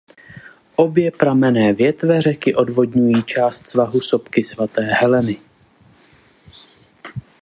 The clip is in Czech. Obě pramenné větve řeky odvodňují část svahu sopky Svaté Heleny.